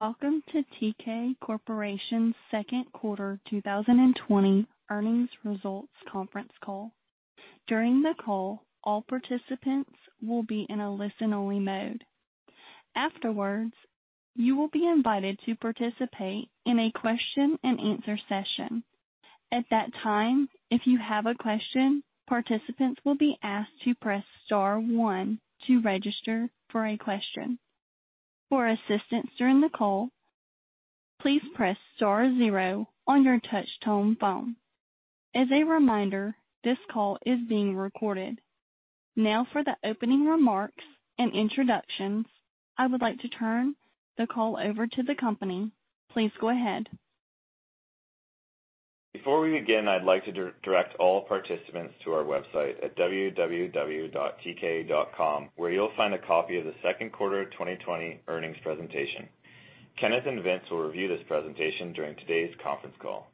Welcome to Teekay Corporation's Q2 2020 earnings results conference call. During the call, all participants will be in a listen-only mode. Afterwards, you will be invited to participate in a question-and-answer session. At that time, if you have a question, participants will be asked to press star one to register for a question. For assistance during the call, please press star zero on your touch-tone phone. As a reminder, this call is being recorded. Now for the opening remarks and introductions, I would like to turn the call over to the company. Please go ahead. Before we begin, I'd like to direct all participants to our website at www.teekay.com where you'll find a copy of the Q2 2020 earnings presentation. Kenneth and Vince will review this presentation during today's conference call.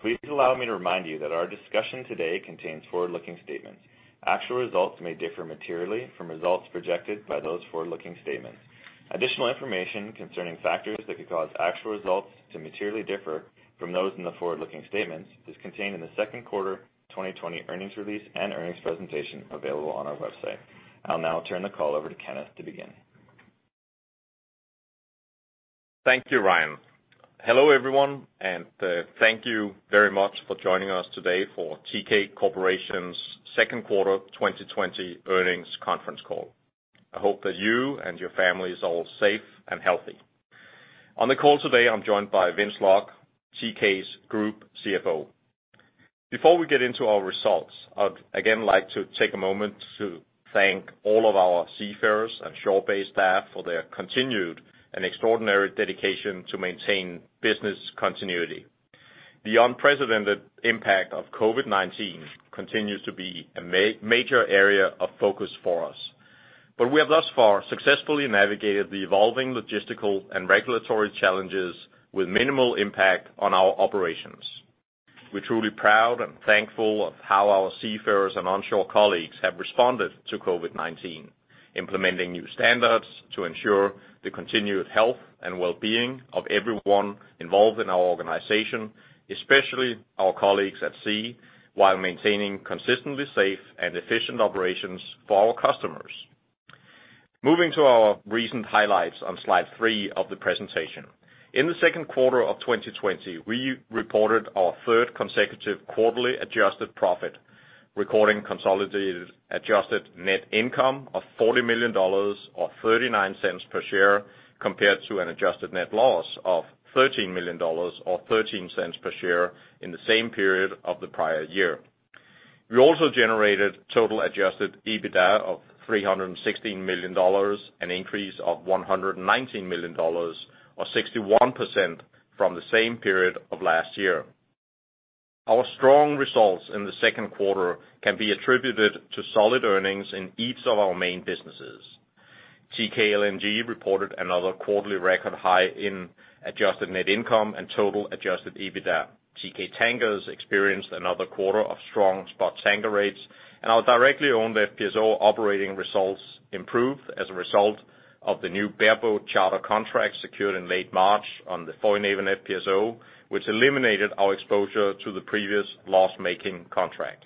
Please allow me to remind you that our discussion today contains forward-looking statements. Actual results may differ materially from results projected by those forward-looking statements. Additional information concerning factors that could cause actual results to materially differ from those in the forward-looking statements is contained in the Q2 2020 earnings release and earnings presentation available on our website. I'll now turn the call over to Kenneth to begin. Thank you, Ryan. Hello, everyone, and thank you very much for joining us today for Teekay Corporation's Q2 2020 earnings conference call. I hope that you and your families are all safe and healthy. On the call today, I'm joined by Vince Lok, Teekay's Group CFO. Before we get into our results, I'd again like to take a moment to thank all of our seafarers and shore-based staff for their continued and extraordinary dedication to maintain business continuity. The unprecedented impact of COVID-19 continues to be a major area of focus for us, but we have thus far successfully navigated the evolving logistical and regulatory challenges with minimal impact on our operations. We're truly proud and thankful of how our seafarers and onshore colleagues have responded to COVID-19, implementing new standards to ensure the continued health and wellbeing of everyone involved in our organization, especially our colleagues at sea, while maintaining consistently safe and efficient operations for our customers. Moving to our recent highlights on slide three of the presentation. In the Q2 of 2020, we reported our third consecutive quarterly adjusted profit, recording consolidated adjusted net income of $40 million or $0.39 per share compared to an adjusted net loss of $13 million or $0.13 per share in the same period of the prior year. We also generated total adjusted EBITDA of $316 million, an increase of $119 million or 61% from the same period of last year. Our strong results in the Q2 can be attributed to solid earnings in each of our main businesses. Teekay LNG reported another quarterly record high in adjusted net income and total adjusted EBITDA. Teekay Tankers experienced another quarter of strong spot tanker rates, and our directly owned FPSO operating results improved as a result of the new bareboat charter contract secured in late March on the Foinaven FPSO, which eliminated our exposure to the previous loss-making contract.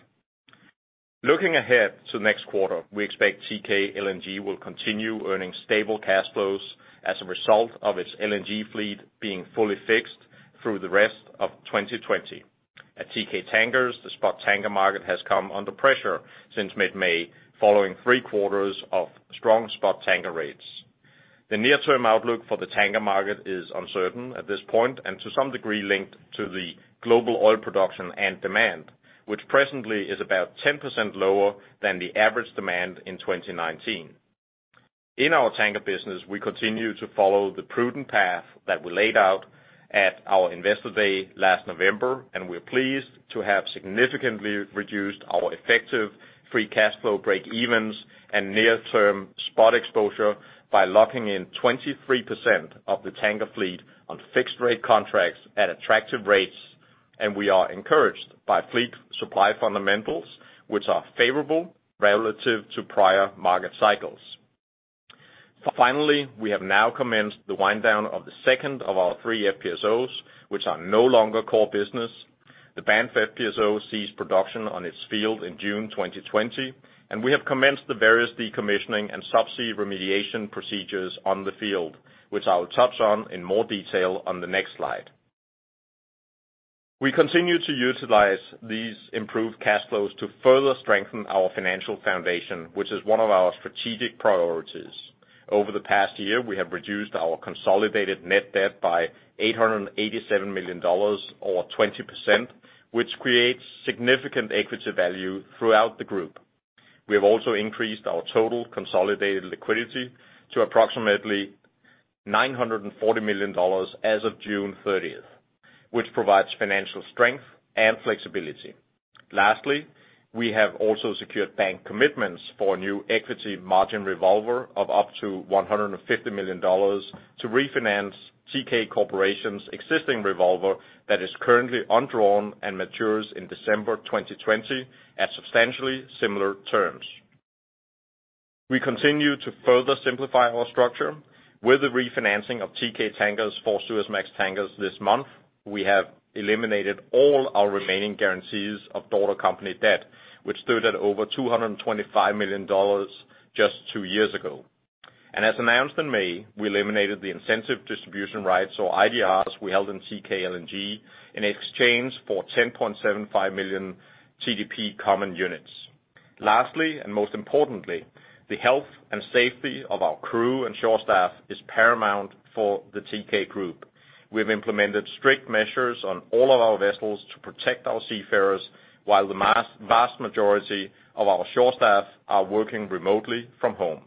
Looking ahead to next quarter, we expect Teekay LNG will continue earning stable cash flows as a result of its LNG fleet being fully fixed through the rest of 2020. At Teekay Tankers, the spot tanker market has come under pressure since mid-May, following three quarters of strong spot tanker rates. The near-term outlook for the tanker market is uncertain at this point and to some degree linked to the global oil production and demand, which presently is about 10% lower than the average demand in 2019. In our tanker business, we continue to follow the prudent path that we laid out at our Investor Day last November. We are pleased to have significantly reduced our effective free cash flow breakevens and near-term spot exposure by locking in 23% of the tanker fleet on fixed-rate contracts at attractive rates. We are encouraged by fleet supply fundamentals, which are favorable relative to prior market cycles. Finally, we have now commenced the wind down of the second of our 3 FPSOs, which are no longer core business. The Banff FPSO ceased production on its field in June 2020. We have commenced the various decommissioning and subsea remediation procedures on the field, which I will touch on in more detail on the next slide. We continue to utilize these improved cash flows to further strengthen our financial foundation, which is one of our strategic priorities. Over the past year, we have reduced our consolidated net debt by $887 million or 20%, which creates significant equity value throughout the group. We have also increased our total consolidated liquidity to approximately $940 million as of June 30th, which provides financial strength and flexibility. Lastly, we have also secured bank commitments for a new equity margin revolver of up to $150 million to refinance Teekay Corporation's existing revolver that is currently undrawn and matures in December 2020 at substantially similar terms. We continue to further simplify our structure. With the refinancing of Teekay Tankers four Suezmax tankers this month, we have eliminated all our remaining guarantees of daughter company debt, which stood at over $225 million just two years ago. As announced in May, we eliminated the Incentive Distribution Rights, or IDRs, we held in Teekay LNG in exchange for 10.75 million TGP common units. Lastly, and most importantly, the health and safety of our crew and shore staff is paramount for the Teekay group. We've implemented strict measures on all of our vessels to protect our seafarers while the vast majority of our shore staff are working remotely from home.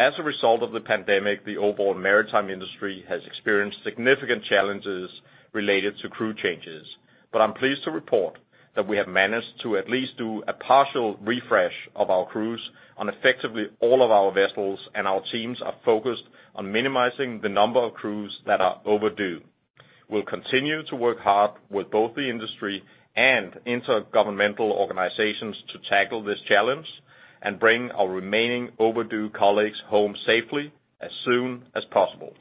As a result of the pandemic, the overall maritime industry has experienced significant challenges related to crew changes. I'm pleased to report that we have managed to at least do a partial refresh of our crews on effectively all of our vessels, and our teams are focused on minimizing the number of crews that are overdue. We'll continue to work hard with both the industry and intergovernmental organizations to tackle this challenge and bring our remaining overdue colleagues home safely as soon as possible.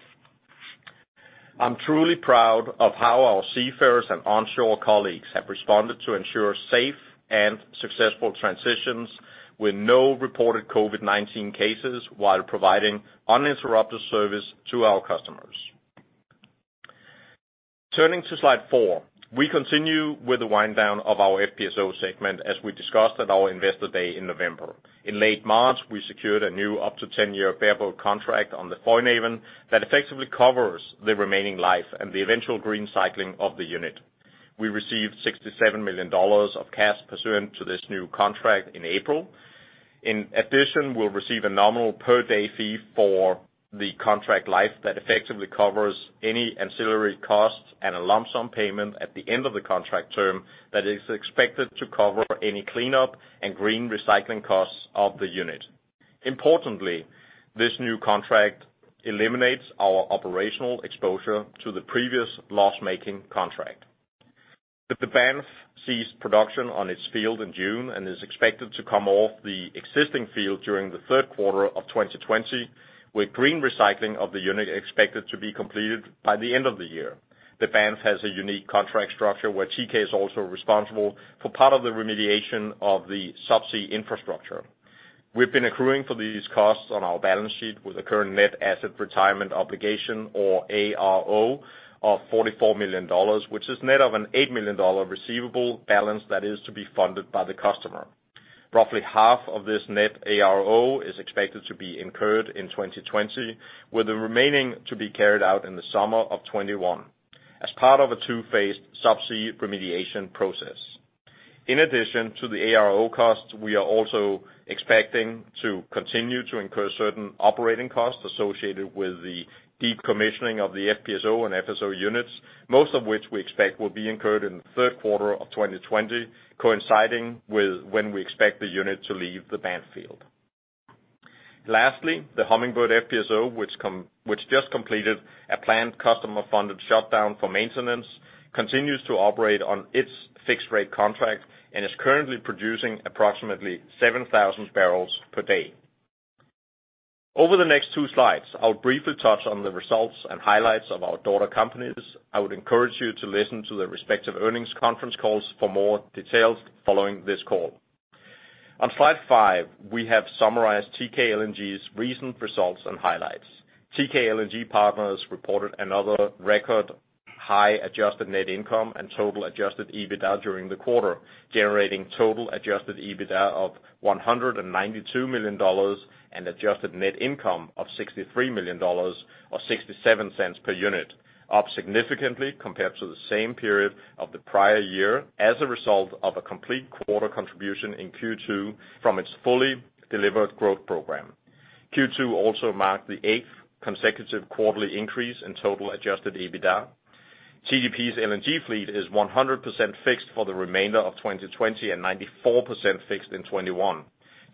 I'm truly proud of how our seafarers and onshore colleagues have responded to ensure safe and successful transitions with no reported COVID-19 cases while providing uninterrupted service to our customers. Turning to slide four, we continue with the wind down of our FPSO segment as we discussed at our investor day in November. In late March, we secured a new up to 10-year bareboat contract on the Foinaven that effectively covers the remaining life and the eventual green recycling of the unit. We received $67 million of cash pursuant to this new contract in April. In addition, we'll receive a nominal per day fee for the contract life that effectively covers any ancillary costs and a lump sum payment at the end of the contract term that is expected to cover any cleanup and green recycling costs of the unit. Importantly, this new contract eliminates our operational exposure to the previous loss-making contract. The Banff ceased production on its field in June and is expected to come off the existing field during the Q3 of 2020, with green recycling of the unit expected to be completed by the end of the year. The Banff has a unique contract structure where Teekay is also responsible for part of the remediation of the sub-sea infrastructure. We've been accruing for these costs on our balance sheet with a current net asset retirement obligation or ARO of $44 million, which is net of an $8 million receivable balance that is to be funded by the customer. Roughly half of this net ARO is expected to be incurred in 2020, with the remaining to be carried out in the summer of 2021 as part of a two-phased sub-sea remediation process. In addition to the ARO costs, we are also expecting to continue to incur certain operating costs associated with the decommissioning of the FPSO and FSO units, most of which we expect will be incurred in the Q3 of 2020, coinciding with when we expect the unit to leave the Banff field. Lastly, the Hummingbird FPSO, which just completed a planned customer-funded shutdown for maintenance, continues to operate on its fixed-rate contract and is currently producing approximately 7,000 barrels per day. Over the next two slides, I'll briefly touch on the results and highlights of our daughter companies. I would encourage you to listen to their respective earnings conference calls for more details following this call. On slide five, we have summarized Teekay LNG's recent results and highlights. Teekay LNG Partners reported another record high-adjusted net income and total adjusted EBITDA during the quarter, generating total adjusted EBITDA of $192 million and adjusted net income of $63 million or $0.67 per unit, up significantly compared to the same period of the prior year as a result of a complete quarter contribution in Q2 from its fully delivered growth program. Q2 also marked the eighth consecutive quarterly increase in total adjusted EBITDA. TGP's LNG fleet is 100% fixed for the remainder of 2020 and 94% fixed in 2021.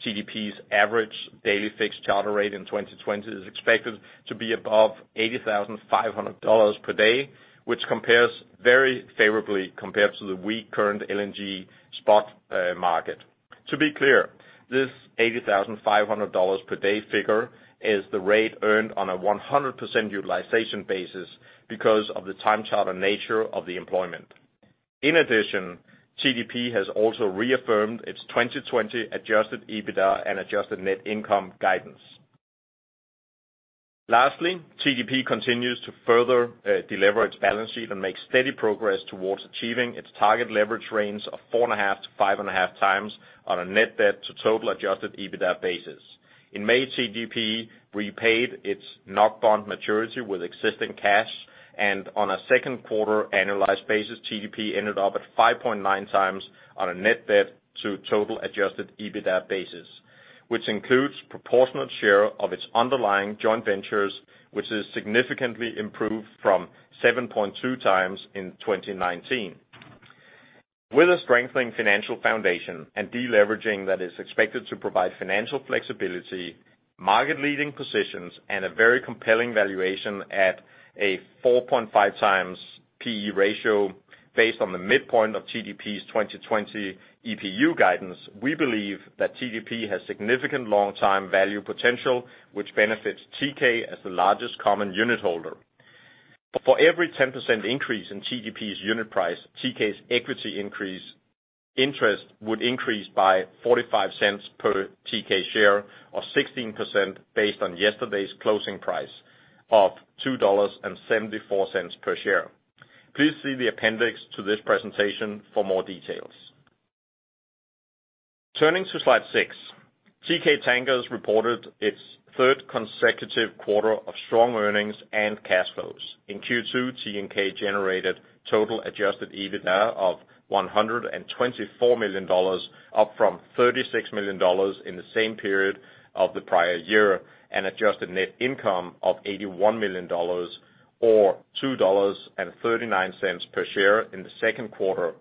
TGP's average daily fixed charter rate in 2020 is expected to be above $80,500 per day, which compares very favorably compared to the weak current LNG spot market. To be clear, this $80,500 per day figure is the rate earned on a 100% utilization basis because of the time charter nature of the employment. In addition, TGP has also reaffirmed its 2020 adjusted EBITDA and adjusted net income guidance. Lastly, TGP continues to further delever its balance sheet and make steady progress towards achieving its target leverage range of 4.5x-5.5x on a net debt to total adjusted EBITDA basis. In May, TGP repaid its NOK bond maturity with existing cash, and on a Q2 annualized basis, TGP ended up at 5.9x on a net debt to total adjusted EBITDA basis, which includes proportionate share of its underlying joint ventures, which has significantly improved from 7.2x in 2019. With a strengthening financial foundation and deleveraging that is expected to provide financial flexibility, market-leading positions, and a very compelling valuation at a 4.5x PE ratio. Based on the midpoint of TGP's 2020 EPU guidance, we believe that TGP has significant long-term value potential, which benefits Teekay as the largest common unit holder. For every 10% increase in TGP's unit price, Teekay's equity increase interest would increase by $0.45 per Teekay share, or 16% based on yesterday's closing price of $2.74 per share. Please see the appendix to this presentation for more details. Turning to slide six. Teekay Tankers reported its third consecutive quarter of strong earnings and cash flows. In Q2, TNK generated total adjusted EBITDA of $124 million, up from $36 million in the same period of the prior year, and adjusted net income of $81 million, or $2.39 per share in the Q2,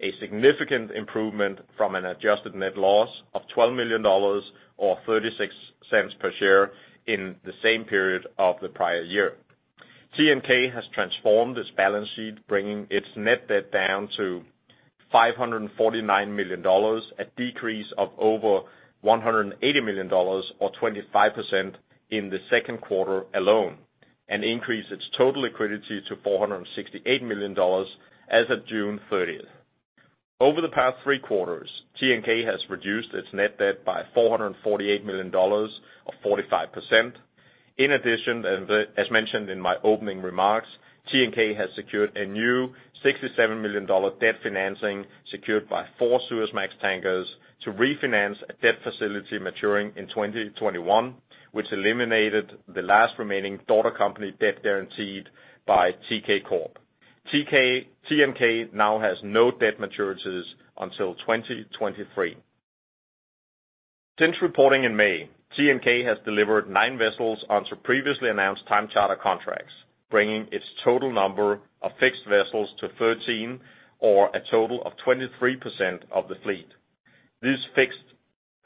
a significant improvement from an adjusted net loss of $12 million or $0.36 per share in the same period of the prior year. TNK has transformed its balance sheet, bringing its net debt down to $549 million, a decrease of over $180 million or 25% in the Q2 alone, and increase its total liquidity to $468 million as of June 30th. Over the past three quarters, TNK has reduced its net debt by $448 million or 45%. In addition, as mentioned in my opening remarks, TNK has secured a new $67 million debt financing secured by four Suezmax tankers to refinance a debt facility maturing in 2021, which eliminated the last remaining daughter company debt guaranteed by Teekay Corp. TNK now has no debt maturities until 2023. Since reporting in May, TNK has delivered nine vessels onto previously announced time charter contracts, bringing its total number of fixed vessels to 13, or a total of 23% of the fleet. These fixed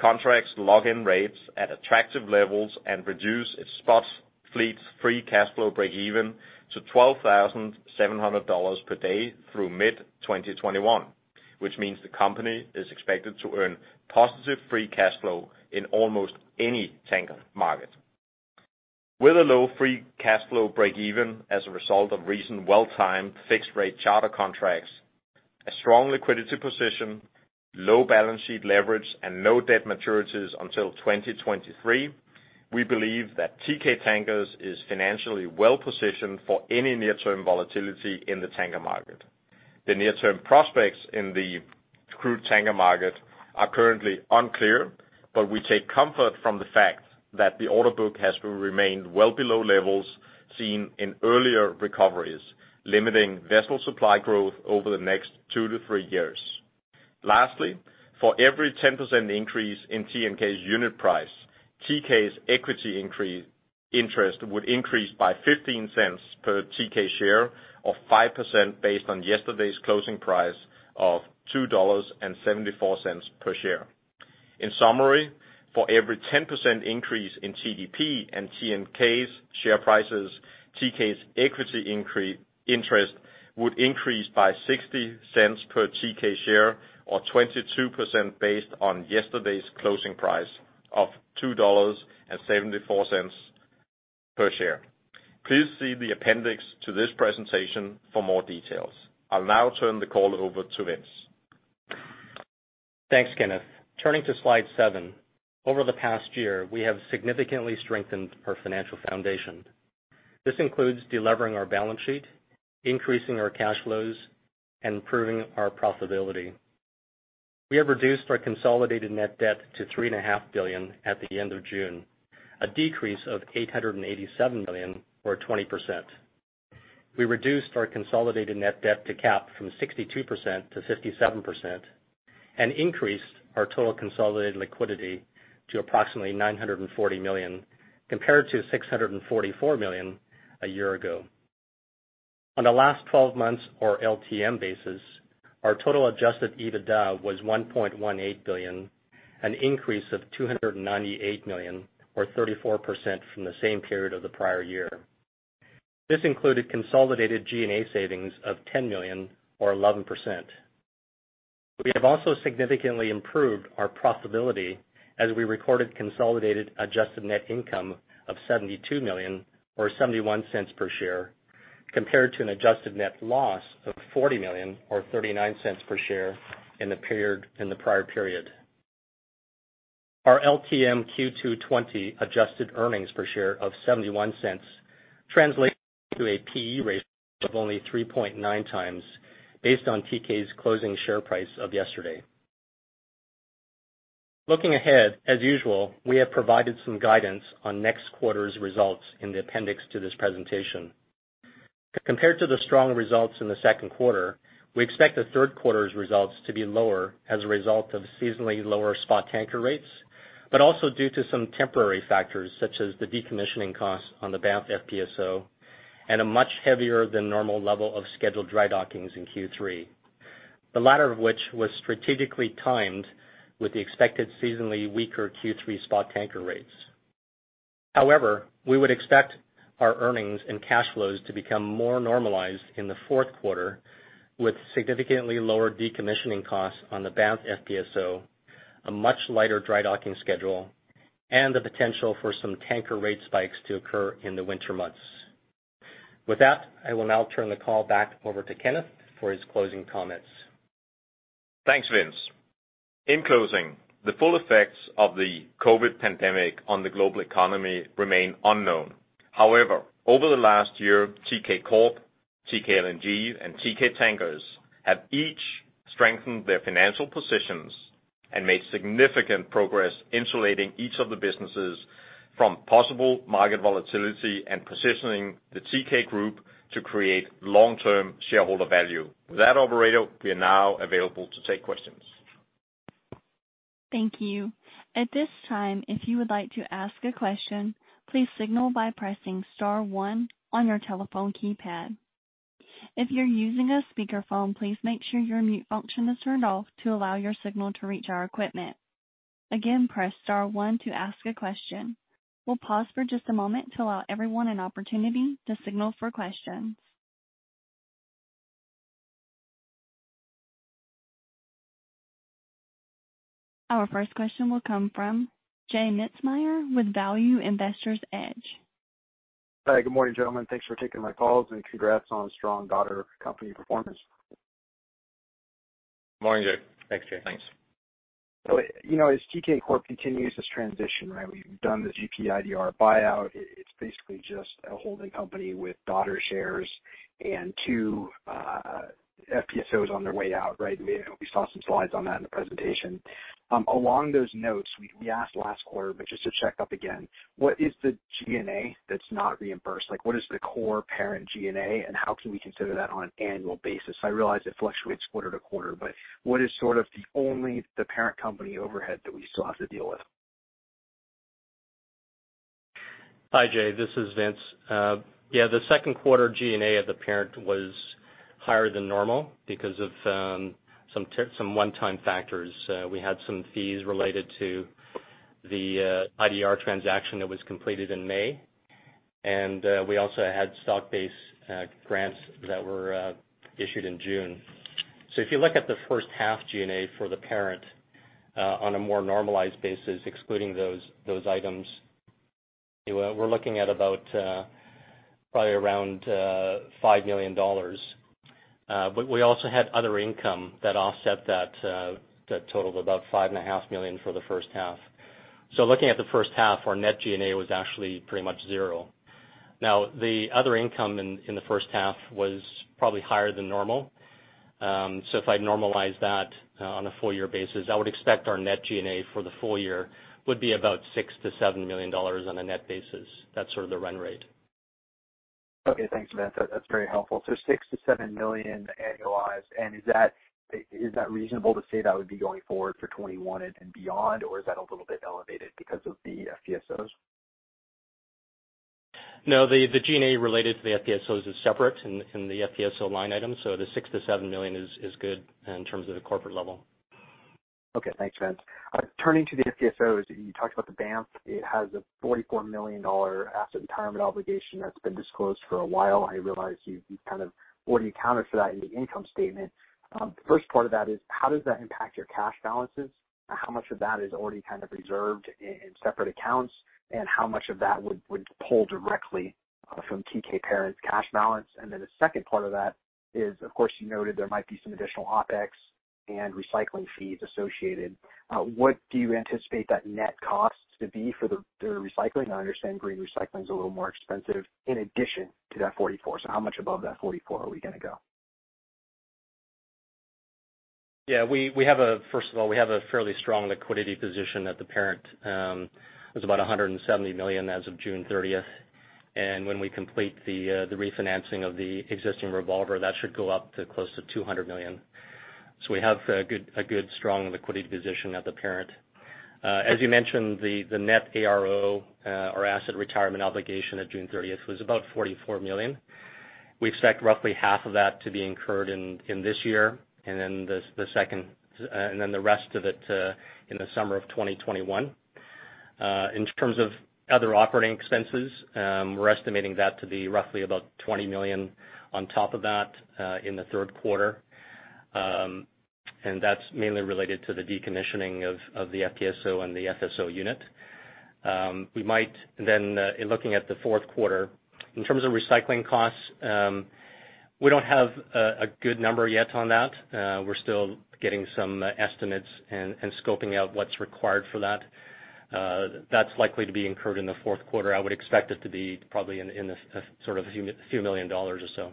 contracts lock in rates at attractive levels and reduce its spot fleet's free cash flow breakeven to $12,700 per day through mid-2021, which means the company is expected to earn positive free cash flow in almost any tanker market. With a low free cash flow breakeven as a result of recent well-timed fixed rate charter contracts, a strong liquidity position, low balance sheet leverage, and no debt maturities until 2023, we believe that Teekay Tankers is financially well-positioned for any near-term volatility in the tanker market. The near-term prospects in the crude tanker market are currently unclear, but we take comfort from the fact that the order book has remained well below levels seen in earlier recoveries, limiting vessel supply growth over the next three-three years. Lastly, for every 10% increase in TNK's unit price, Teekay's equity interest would increase by $0.15 per Teekay share, or 5% based on yesterday's closing price of $2.74 per share. In summary, for every 10% increase in TGP and TNK's share prices, Teekay's equity interest would increase by $0.60 per Teekay share, or 22% based on yesterday's closing price of $2.74 per share. Please see the appendix to this presentation for more details. I'll now turn the call over to Vince. Thanks, Kenneth. Turning to slide seven. Over the past year, we have significantly strengthened our financial foundation. This includes de-levering our balance sheet, increasing our cash flows, and improving our profitability. We have reduced our consolidated net debt to $3.5 billion at the end of June, a decrease of $887 million or 20%. We reduced our consolidated net debt to cap from 62%-57%, and increased our total consolidated liquidity to approximately $940 million, compared to $644 million a year ago. On a last 12 months or LTM basis, our total adjusted EBITDA was $1.18 billion, an increase of $298 million or 34% from the same period of the prior year. This included consolidated G&A savings of $10 million or 11%. We have also significantly improved our profitability as we recorded consolidated adjusted net income of $72 million or $0.71 per share, compared to an adjusted net loss of $40 million or $0.39 per share in the prior period. Our LTM Q2 '20 adjusted earnings per share of $0.71 translates to a PE ratio of only 3.9x based on Teekay's closing share price of yesterday. Looking ahead, as usual, we have provided some guidance on next quarter's results in the appendix to this presentation. Compared to the strong results in the Q2, we expect the Q3's results to be lower as a result of seasonally lower spot tanker rates, but also due to some temporary factors such as the decommissioning costs on the Banff FPSO and a much heavier than normal level of scheduled dry dockings in Q3. The latter of which was strategically timed with the expected seasonally weaker Q3 spot tanker rates. However, we would expect our earnings and cash flows to become more normalized in the Q4, with significantly lower decommissioning costs on the Banff FPSO, a much lighter dry-docking schedule, and the potential for some tanker rate spikes to occur in the winter months. With that, I will now turn the call back over to Kenneth for his closing comments. Thanks, Vince. In closing, the full effects of the COVID pandemic on the global economy remain unknown. However, over the last year, Teekay Corp, Teekay LNG, and Teekay Tankers have each strengthened their financial positions and made significant progress insulating each of the businesses from possible market volatility and positioning the Teekay group to create long-term shareholder value. With that operator, we are now available to take questions. Thank you. At this time, if you would like to ask a question, please signal by pressing star one on your telephone keypad. If you're using a speakerphone, please make sure your mute function is turned off to allow your signal to reach our equipment. Again, press star one to ask a question. We'll pause for just a moment to allow everyone an opportunity to signal for questions. Our first question will come from J Mintzmyer with Value Investor's Edge. Hi. Good morning, gentlemen. Thanks for taking my calls, and congrats on a strong daughter company performance. Morning, J. Thanks, J. As Teekay Corporation continues this transition, right, we've done the GP IDR buyout. It's basically just a holding company with daughter shares and two FPSOs on their way out, right? We saw some slides on that in the presentation. Along those notes, we asked last quarter, but just to check up again, what is the G&A that's not reimbursed? What is the core parent G&A, and how can we consider that on an annual basis? I realize it fluctuates quarter-to-quarter, but what is sort of the only the parent company overhead that we still have to deal with? Hi, J. This is Vince. Yeah, the Q2 G&A of the parent was higher than normal because of some one-time factors. We had some fees related to the IDR transaction that was completed in May, and we also had stock-based grants that were issued in June. If you look at the H1 G&A for the parent on a more normalized basis, excluding those items, we're looking at about probably around $5 million. We also had other income that offset that totaled about $5.5 Million for the H1. Looking at the H1, our net G&A was actually pretty much zero. Now, the other income in the H1 was probably higher than normal. If I normalize that on a full-year basis, I would expect our net G&A for the full year would be about $6 million-$7 million on a net basis. That's sort of the run rate. Thanks, Vince. That's very helpful. $6 million-$7 million annualized, is that reasonable to say that would be going forward for 2021 and beyond? Is that a little bit elevated because of the FPSOs? No, the G&A related to the FPSOs is separate in the FPSO line item. The $6 million-$7 million is good in terms of the corporate level. Okay. Thanks, Vince. Turning to the FPSOs, you talked about the Banff. It has a $44 million asset retirement obligation that's been disclosed for a while. I realize you've kind of already accounted for that in the income statement. The first part of that is, how does that impact your cash balances? How much of that is already kind of reserved in separate accounts, and how much of that would pull directly from Teekay parent's cash balance? The second part of that is, of course, you noted there might be some additional OpEx and recycling fees associated. What do you anticipate that net cost to be for the recycling? I understand green recycling is a little more expensive in addition to that 44. How much above that 44 are we going to go? Yeah. First of all, we have a fairly strong liquidity position at the parent. It was about $170 million as of June 30th, when we complete the refinancing of the existing revolver, that should go up to close to $200 million. We have a good, strong liquidity position at the parent. As you mentioned, the net ARO, or asset retirement obligation at June 30th was about $44 million. We expect roughly half of that to be incurred in this year, the rest of it in the summer of 2021. In terms of other operating expenses, we're estimating that to be roughly about $20 million on top of that in the Q3, that's mainly related to the decommissioning of the FPSO and the FSO unit. Looking at the Q4, in terms of recycling costs, we don't have a good number yet on that. We're still getting some estimates and scoping out what's required for that. That's likely to be incurred in the Q4. I would expect it to be probably in the sort of a few million dollars or so.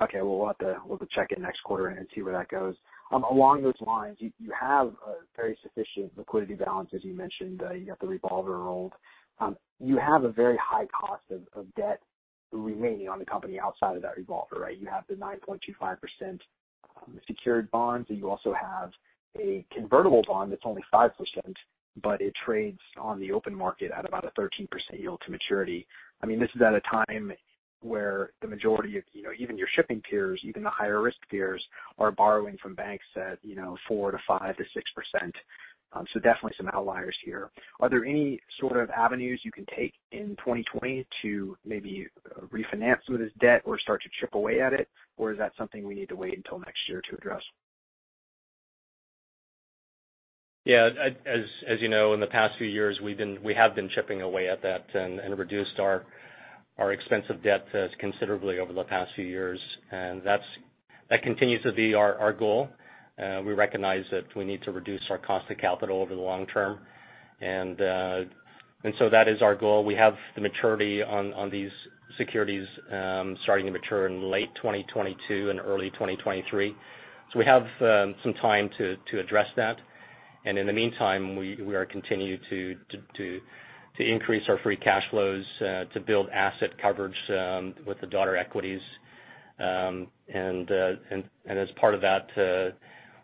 Okay. Well, we'll have to check in next quarter and see where that goes. Along those lines, you have a very sufficient liquidity balance, as you mentioned. You have the revolver rolled. You have a very high cost of debt remaining on the company outside of that revolver, right? You have the 9.25% secured bonds, and you also have a convertible bond that's only 5%, but it trades on the open market at about a 13% yield to maturity. I mean, this is at a time where the majority of even your shipping peers, even the higher risk peers, are borrowing from banks at 4%-5%-6%. Definitely some outliers here. Are there any sort of avenues you can take in 2020 to maybe refinance some of this debt or start to chip away at it? Is that something we need to wait until next year to address? Yeah. As you know, in the past few years we have been chipping away at that and reduced our expensive debt considerably over the past few years, and that continues to be our goal. We recognize that we need to reduce our cost of capital over the long-term. That is our goal. We have the maturity on these securities starting to mature in late 2022 and early 2023. We have some time to address that. In the meantime, we are continuing to increase our free cash flows to build asset coverage with the daughter equities. As part of that,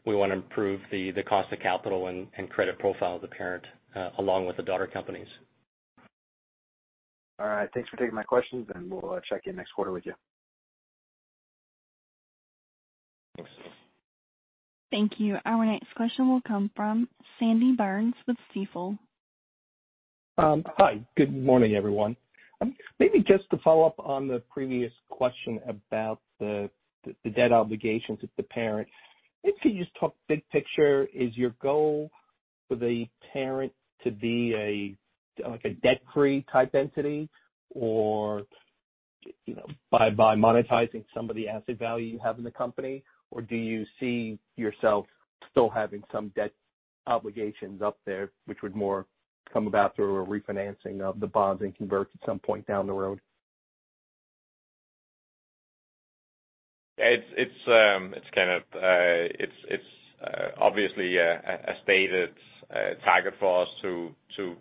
we want to improve the cost of capital and credit profile of the parent along with the daughter companies. All right. Thanks for taking my questions, and we'll check in next quarter with you. Thanks. Thank you. Our next question will come from Sanford Burns with Stifel. Hi, good morning, everyone. Maybe just to follow-up on the previous question about the debt obligations of the parent. If you just talk big picture, is your goal for the parent to be a debt-free type entity? By monetizing some of the asset value you have in the company, or do you see yourself still having some debt obligations up there, which would more come about through a refinancing of the bonds and converts at some point down the road? It's obviously a stated target for us to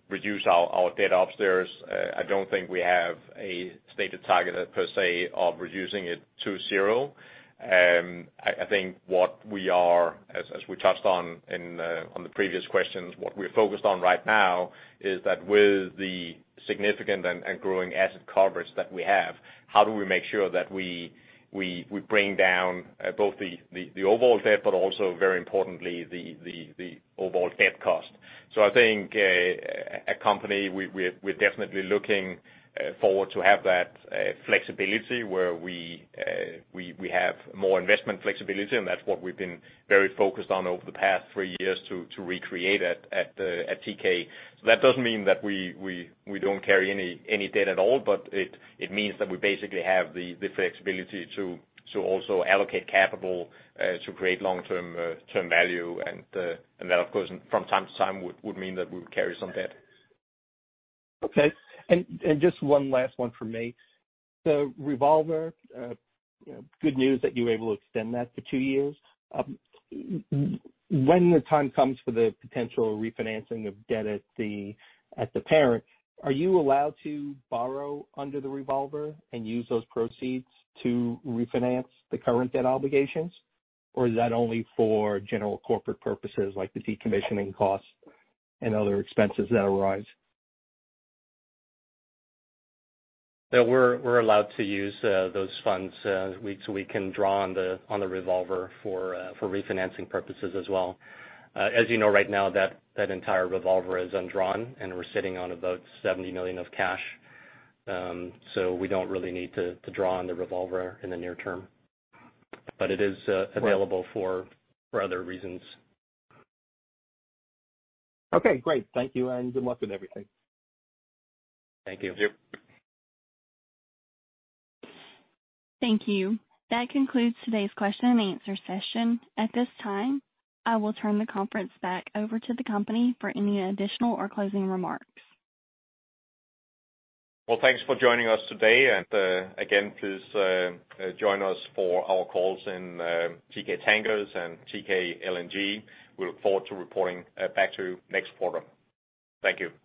reduce our debt upstairs. I don't think we have a stated target per se of reducing it to zero. I think as we touched on in the previous questions, what we're focused on right now is that with the significant and growing asset coverage that we have, how do we make sure that we bring down both the overall debt, but also very importantly, the overall debt cost. I think as a company, we're definitely looking forward to have that flexibility where we have more investment flexibility, and that's what we've been very focused on over the past three years to recreate it at Teekay. That doesn't mean that we don't carry any debt at all, but it means that we basically have the flexibility to also allocate capital to create long-term value, and that, of course, from time to time would mean that we would carry some debt. Okay. Just one last one from me. The revolver, good news that you were able to extend that for two years. When the time comes for the potential refinancing of debt at the parent, are you allowed to borrow under the revolver and use those proceeds to refinance the current debt obligations? Is that only for general corporate purposes like the decommissioning costs and other expenses that arise? We're allowed to use those funds so we can draw on the revolver for refinancing purposes as well. As you know right now, that entire revolver is undrawn, and we're sitting on about $70 million of cash. We don't really need to draw on the revolver in the near term. It is available for other reasons. Okay, great. Thank you, and good luck with everything. Thank you. Thank you. Thank you. That concludes today's question-and-answer session. At this time, I will turn the conference back over to the company for any additional or closing remarks. Well, thanks for joining us today, and again, please join us for our calls in Teekay Tankers and Teekay LNG. We look forward to reporting back to you next quarter. Thank you.